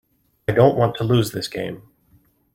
I don't want to lose this game.